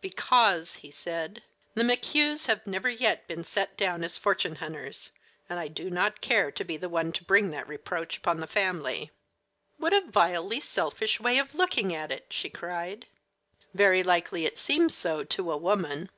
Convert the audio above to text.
"Because," he said, "the McHughs have never yet been set down as fortune hunters, and I do not care to be the one to bring that reproach upon the family." "What a vilely selfish way of looking at it!" she cried. "Very likely it seems so to a woman."